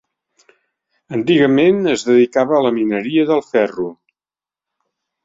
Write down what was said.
Antigament es dedicava a la mineria del ferro.